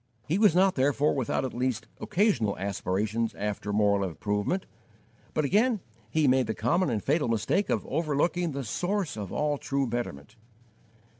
He was not, therefore, without at least occasional aspirations after moral improvement; but again he made the common and fatal mistake of overlooking the Source of all true betterment.